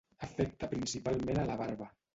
Afecta principalment a la barba.